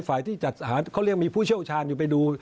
ฝ่ายที่จัดหาเขาเรียกมีผู้เชี่ยวชาญอยู่ไปดู